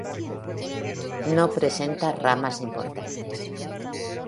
No presenta ramas importantes.